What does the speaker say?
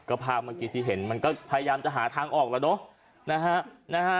ก็ภาพเมื่อกี้ที่เห็นมันก็พยายามจะหาทางออกแล้วเนอะนะฮะ